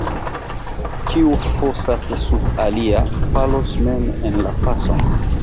Kiu fosas sub alia, falos mem en la foson.